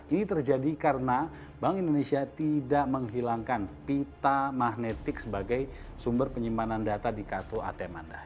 ini terjadi karena bank indonesia tidak menghilangkan pita magnetik sebagai sumber penyimpanan data di kartu atm anda